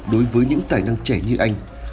đối với những tài năng trẻ như anh